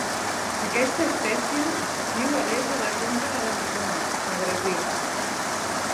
Aquesta espècie viu a l'est de la conca de l'Amazones, al Brasil.